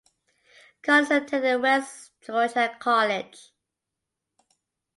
Collins attended West Georgia College.